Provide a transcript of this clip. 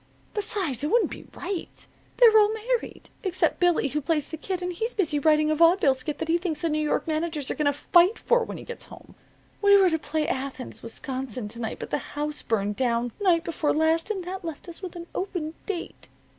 Besides, it wouldn't be right. They're all married, except Billy, who plays the kid, and he's busy writing a vawdeville skit that he thinks the New York managers are going to fight for when he gets back home. We were to play Athens, Wisconsin, to night, but the house burned down night before last, and that left us with an open date.